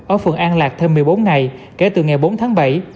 ở phường an lạc thêm một mươi bốn ngày kể từ ngày bốn tháng bảy